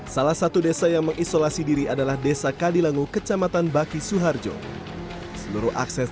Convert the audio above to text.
salah satu desa yang mengisolasi diri adalah desa kadilangu kecamatan baki suharjo seluruh akses